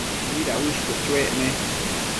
¿mida uëshquio chuec ne?